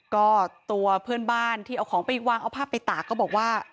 ก็ตัวเพื่อนบ้านที่เอาของไปวางเอาภาพไปตากก็บอกว่า